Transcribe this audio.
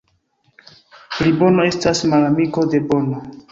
Plibono estas malamiko de bono.